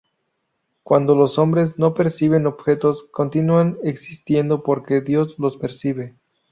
Cuando los hombres no perciben objetos, continúan existiendo porque Dios los percibe.